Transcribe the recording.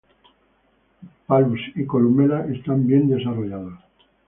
Palus y columela están bien desarrollados.